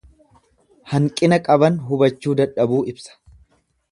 Hanqina qaban hubachuu dadhabuu ibsa.